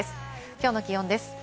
きょうの気温です。